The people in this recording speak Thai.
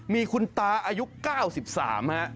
มีคุณตาอายุ๙๓ฮะ